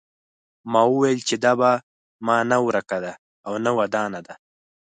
ما وویل چې دا په ما نه ورکه ده او نه ودانه ده.